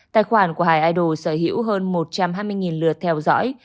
tài khoản của hai idol sở hữu hơn một trăm hai mươi lượt theo dõi